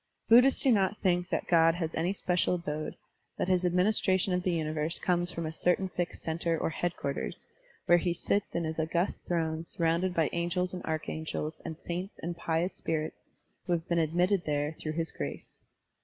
Buddhists do not think tl^at God has any special abode, that his administration of the universe comes from a certain |ixed center or headquarters, where he sits in hip august throne surrotmded by angels and archangels and saints and pious spirits who have been admitted there through his grace.